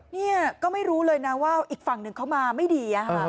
เนี่ยก็ไม่รู้เลยนะว่าอีกฝั่งหนึ่งเขามาไม่ดี